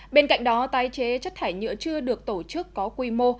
bên cạnh đó tái chế chất thải nhựa chưa được tổ chức có quy mô